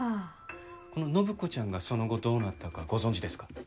この展子ちゃんがその後どうなったかご存じですか？